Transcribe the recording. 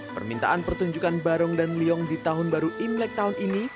permintaan pertunjukan barong dan liong di tahun baru imlek tahun ini